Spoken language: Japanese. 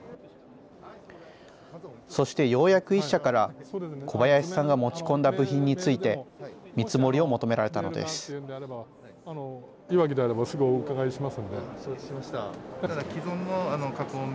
そしてようやく１社から、小林さんが持ち込んだ部品について、見積もりを求められたのです。